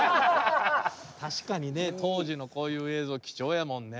確かにね当時のこういう映像貴重やもんね。